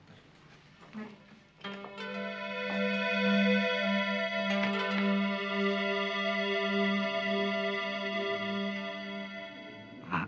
terima kasih pak